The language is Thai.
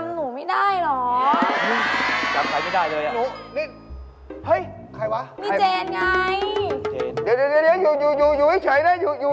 ไม่มีหน้าหรอ